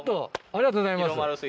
ありがとうございます。